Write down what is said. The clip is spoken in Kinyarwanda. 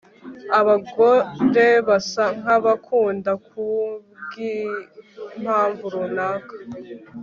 Abagore basa nkabakunda kubwimpamvu runaka